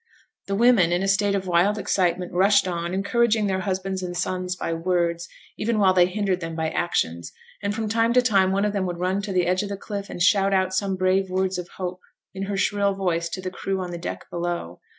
The women, in a state of wild excitement, rushed on, encouraging their husbands and sons by words, even while they hindered them by actions; and, from time to time, one of them would run to the edge of the cliff and shout out some brave words of hope in her shrill voice to the crew on the deck below.